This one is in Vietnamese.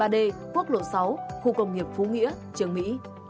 tám hai nghìn chín trăm hai mươi ba d quốc lộ sáu khu công nghiệp phú nghĩa trường mỹ